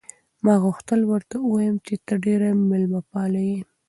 ما غوښتل ورته ووایم چې ته ډېره مېلمه پاله یې.